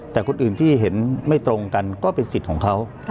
แต่คนอื่นที่เห็นไม่ตรงกันก็เป็นสิทธิ์ของเขา